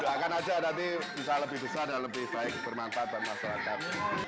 doakan aja nanti bisa lebih besar dan lebih baik bermanfaat buat masyarakat